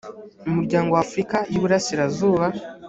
umuryango wa afurika y iburasirazuba